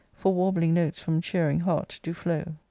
For warbling notes from cheering [heart do] flow.